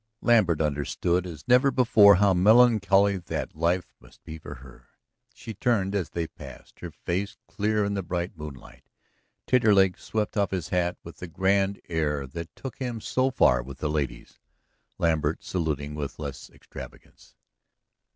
Lambert understood as never before how melancholy that life must be for her. She turned as they passed, her face clear in the bright moonlight. Taterleg swept off his hat with the grand air that took him so far with the ladies, Lambert saluting with less extravagance.